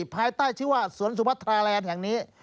ภายใต้ชื่อว่าสวนสุพัทราแลนด์แห่งนี้